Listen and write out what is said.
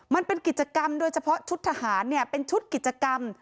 มันเป็นกิจกรรมโดยเฉพาะชุดทหารเนี่ยเป็นชุดกิจกรรม